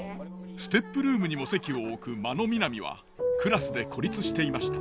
ＳＴＥＰルームにも籍を置く真野みなみはクラスで孤立していました。